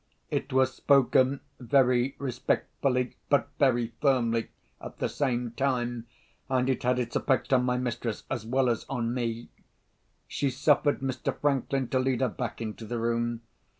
It was spoken very respectfully, but very firmly at the same time—and it had its effect on my mistress as well as on me. She suffered Mr. Franklin to lead her back into the room.